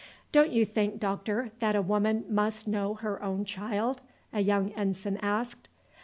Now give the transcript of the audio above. "Don't you think, doctor, that a woman must know her own child?" a young ensign asked.